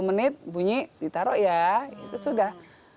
sepuluh menit bunyi ditaruh ya itu sudah